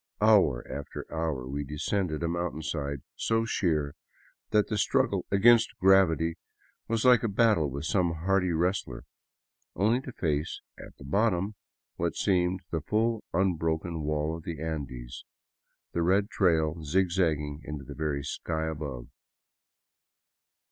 Hour after hour we descended a mountainside so sheer that the struggle against gravity was like a battle with some hardy wrestler, only to face at the bottom what seemed the full unbroken wall of the Andes, the red trail zigzagging into the very sky above.